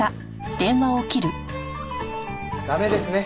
駄目ですね。